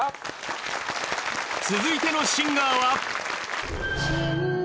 続いてのシンガーは。